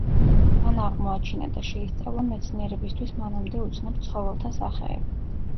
მან აღმოაჩინა და შეისწავლა მეცნიერებისთვის მანამდე უცნობ ცხოველთა სახეები.